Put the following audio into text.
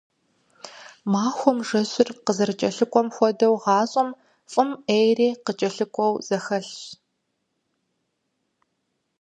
Махуэм жэщыр къызэрыкӀэлъыкӀуэм хуэдэу, гъащӀэми фӀым Ӏейр кӀэлъыкӀуэу зэхэлъщ.